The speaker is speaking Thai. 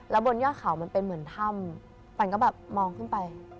บนยอดเขามันเป็นเหมือนถ้ำฟันก็แบบมองขึ้นไป